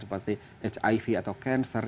seperti hiv atau cancer